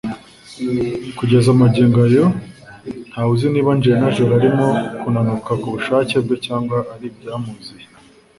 Kugeza magingo aya ntawe uzi niba Angelina Jolie arimo kunanuka ku bushake bwe cyangwa ari ibyamuziye